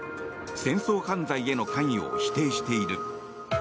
戦争犯罪への関与を否定している。